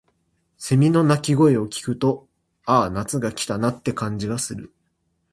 蝉の鳴き声を聞くと、「ああ、夏が来たな」って感じがする。